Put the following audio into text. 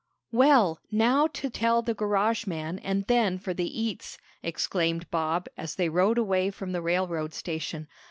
"Well, now to tell the garage man, and then for the eats!" exclaimed Bob as they rode away from the railroad station.